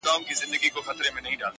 بیرته چي یې راوړې، هغه بل وي زما نه .